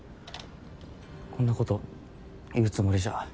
こんなこと言うつもりじゃ。